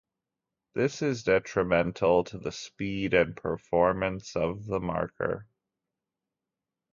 This is detrimental to the speed and performance of the marker.